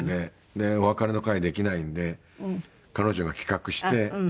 お別れの会できないので彼女が企画して配信で。